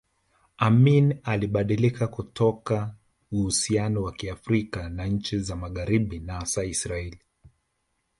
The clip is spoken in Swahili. Amin alibadilika kutoka uhusiano wa kirafiki na nchi za magharibi na hasa Israeli